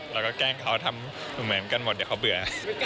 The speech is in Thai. เราก็แกล้งเขาทำหนุ่มเหมือนกันหมดเดี๋ยวเขาเบื่อ